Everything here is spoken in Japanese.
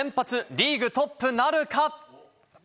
リーグトップなるか？